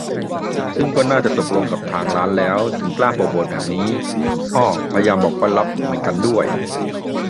ซึ่งก็น่าจะตกลงกับทางร้านแล้ว ถึงกล้าโปรโมตแบบนี้ อ้อ พยายามบอกว่า "ลับ" เหมือนกันด้วย